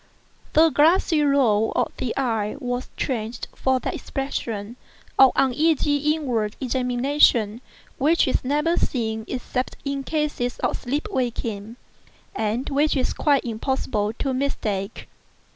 The glassy roll of the eye was changed for that expression of uneasy inward examination which is never seen except in cases of sleep waking, and which it is quite impossible to mistake.